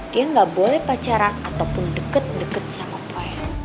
dia gak boleh pacaran ataupun deket deket sama boy